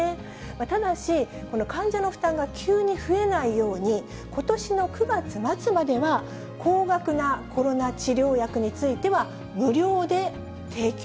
ただし、患者の負担が急に増えないように、ことしの９月末までは高額なコロナ治療薬については、無料で提供。